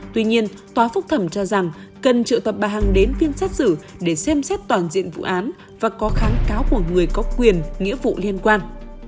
tuy nhiên tòa phúc thẩm cho rằng cần triệu tập bà hằng đến phiên xét xử để xem xét toàn diện vụ án và có kháng cáo của người có quyền nghĩa vụ liên quan